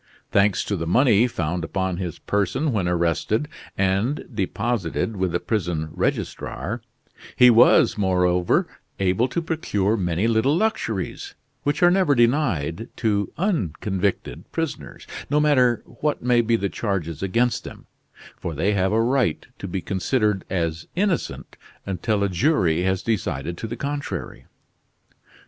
Thanks to the money found upon his person when arrested, and deposited with the prison registrar, he was, moreover, able to procure many little luxuries, which are never denied to unconvicted prisoners, no matter what may be the charges against them, for they have a right to be considered as innocent until a jury has decided to the contrary.